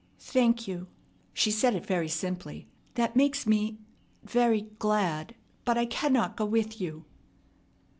"Thank you!" She said it very simply. "That makes me very glad! But I cannot go with you."